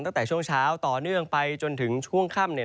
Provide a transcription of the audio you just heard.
ตั้งแต่ช่วงเช้าต่อเนื่องไปจนถึงช่วงค่ำ